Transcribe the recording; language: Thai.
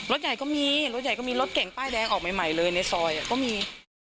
รถใหญ่ก็มีรถใหญ่ก็มีรถเก่งป้ายแดงออกใหม่เลยในซอยก็มี